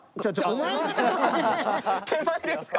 手前ですか？